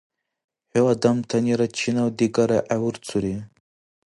ХӀу адамтанира чинав-дигара гӀевурцури